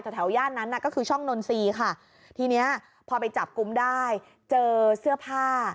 แถวย่านนั้นน่ะก็คือช่องนนทรีย์ค่ะทีเนี้ยพอไปจับกลุ่มได้เจอเสื้อผ้า